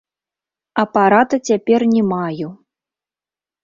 Апарата цяпер не маю.